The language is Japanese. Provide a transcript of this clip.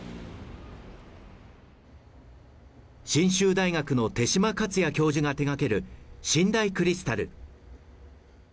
信州大学の手嶋勝弥教授が手がける信大クリスタル。